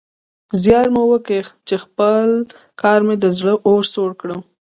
زيار مې وکيښ چې پخپل کار مې د زړه اور سوړ کړ.